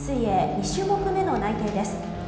２種目めの内定です。